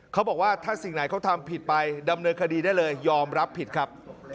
เขาบอกว่าถ้าสิ่งไหนเขาทำผิดไปดำเนินคดีได้เลยยอมรับผิดครับ